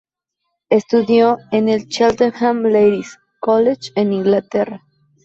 Estudió en el Cheltenham Ladies' College en Inglaterra.